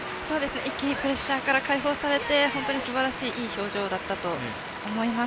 一気にプレッシャーから解放されてすばらしい、いい表情だったと思います。